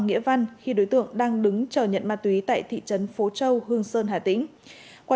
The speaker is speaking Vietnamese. nghĩa văn khi đối tượng đang đứng chờ nhận ma túy tại thị trấn phố châu hương sơn hà tĩnh qua